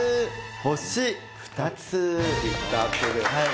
星２つ。